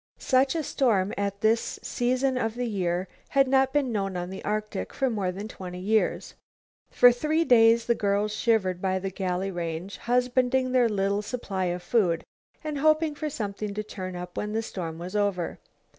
Such a storm at this season of the year had not been known on the Arctic for more than twenty years. For three days the girls shivered by the galley range, husbanding their little supply of food, and hoping for something to turn up when the storm was over.